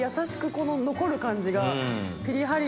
この残る感じがぴり